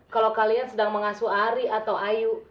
kalau kalian sedang mengasuh ari atau ayu